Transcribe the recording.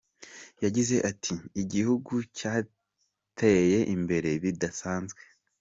Yagize ati “Igihugu cyateye imbere bidasanzwe!